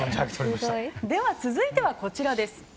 続いては、こちらです。